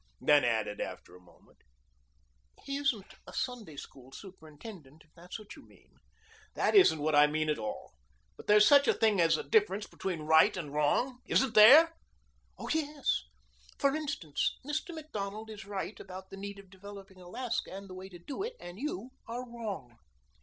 Then added after a moment: "He isn't a Sunday School superintendent if that's what you mean." "That isn't what I mean at all. But there's such a thing as a difference between right and wrong, isn't there?" "Oh, yes. For instance, Mr. Macdonald is right about the need of developing Alaska and the way to do it, and you are wrong."